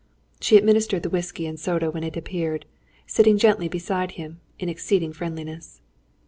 She administered the whisky and soda when it appeared; sitting gently beside him, in exceeding friendliness.